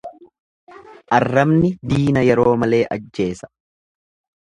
Arrabni diina yeroo malee ajjeesa.